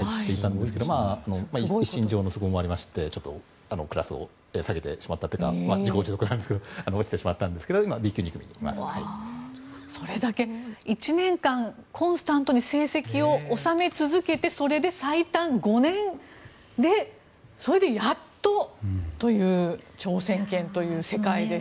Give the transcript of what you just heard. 私はＢ級２組というところにいまして一番いい時でＢ級１組の１３人に入っていたんですが一身上の都合もありましてクラスを下げてしまったというか自業自得なんですけど落ちてしまったんですけどそれだけ１年間コンスタントに成績を収め続けてそれで最短５年でそれでやっとという挑戦権という世界です。